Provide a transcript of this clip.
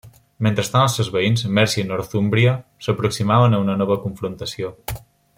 Mentrestant els seus veïns, Mèrcia i Northúmbria s'aproximaven a una nova confrontació.